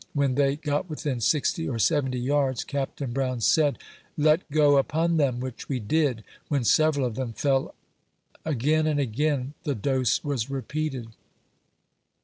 When they got within sixty or seventy yards, Capt. Brown said, " Let go upon them !" which we did, when several of them fell Again and again the dose was repeated.